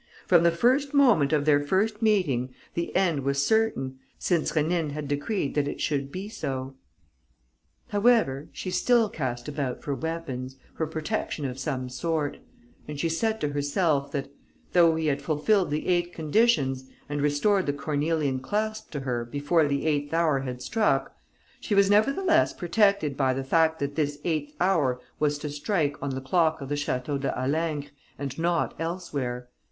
From the first moment of their first meeting, the end was certain, since Rénine had decreed that it should be so. However, she still cast about for weapons, for protection of some sort; and she said to herself that, though he had fulfilled the eight conditions and restored the cornelian clasp to her before the eighth hour had struck, she was nevertheless protected by the fact that this eighth hour was to strike on the clock of the Château de Halingre and not elsewhere.